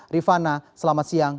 rifana selamat siang